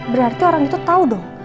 berarti orang itu tahu dong